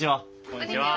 こんにちは。